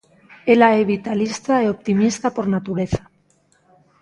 Ela é vitalista e optimista por natureza.